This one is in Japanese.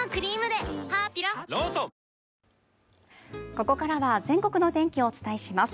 ここからは全国のお天気をお伝えします。